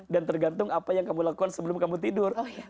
dan tergantung apa yang kamu lakukan sebelum kamu tidur